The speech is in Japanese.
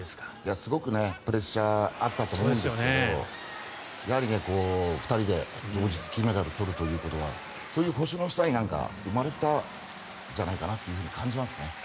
すごくプレッシャーがあったと思うんですけどやはり２人で同日金メダルを取るということはそういう星の下に生まれたんじゃないかなと感じますね。